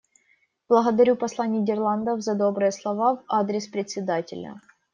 Благодарю посла Нидерландов за добрые слова в адрес Председателя.